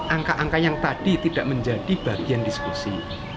angka angka yang tadi tidak menjadi bagian diskusi